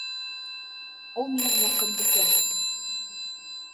Ул минең яҡын дуҫым